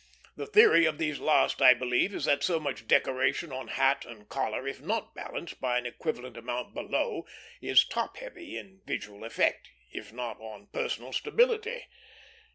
The theory of these last, I believe, is that so much decoration on hat and collar, if not balanced by an equivalent amount below, is top heavy in visual effect, if not on personal stability.